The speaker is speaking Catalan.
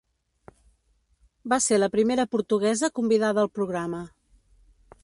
Va ser la primera portuguesa convidada al programa.